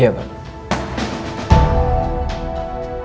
dia juga sepupu saya